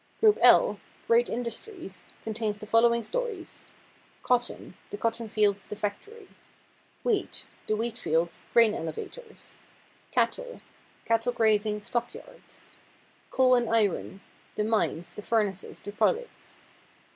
Group L, "Great Industries," contains the following stories: Cotton the cotton fields; the factory. Wheat the wheat field; grain elevators. Cattle cattle grazing; stockyards. Coal and Iron the mines; the furnaces; the products.